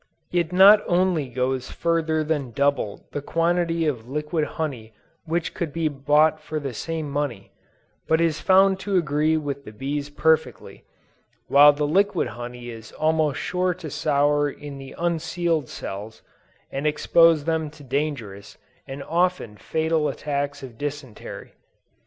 It not only goes further than double the quantity of liquid honey which could be bought for the same money, but is found to agree with the bees perfectly; while the liquid honey is almost sure to sour in the unsealed cells, and expose them to dangerous, and often fatal attacks of dysentery.